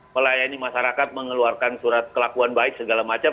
melayani masyarakat mengeluarkan surat kelakuan baik segala macam